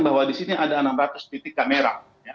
mereka menjelaskan bahwa disini ada enam ratus titik kamera